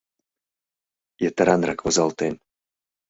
Йытыранрак возалтен